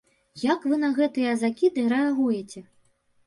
Як вы на гэтыя закіды рэагуеце?